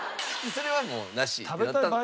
それはもうなしって。